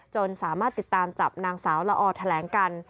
สามารถติดตามจับนางสาวละออแถลงกัน